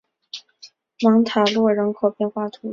芒塔洛人口变化图示